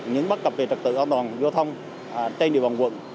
những bắt cập về trạc tự an toàn giao thông trên địa bàn quận